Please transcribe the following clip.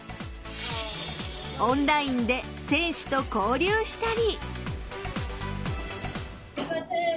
オンラインで選手と交流したり。